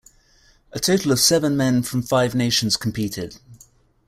A total of seven men from five nations competed.